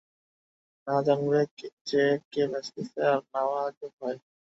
না জানবে যে কে বেচতেছে, আর না লাগবে ভয়।